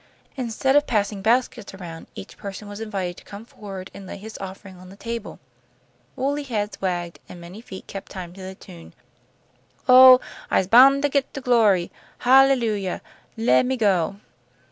Instead of passing baskets around, each person was invited to come forward and lay his offering on the table. Woolly heads wagged, and many feet kept time to the tune: "Oh! I'se boun' to git to glory. Hallelujah! Le' me go!"